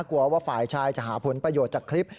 กลัวว่าฝ่ายชายจะหาผลประโยชน์จากคลิป